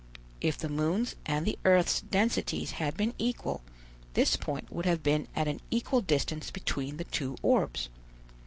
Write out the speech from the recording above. If the moon's and the earth's densities had been equal, this point would have been at an equal distance between the two orbs.